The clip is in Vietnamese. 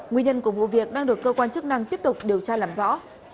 nguyên nhân của vụ việc đang được cơ quan chức năng tiếp tục điều tra làm rõ